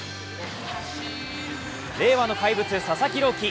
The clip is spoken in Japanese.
令和の怪物、佐々木朗希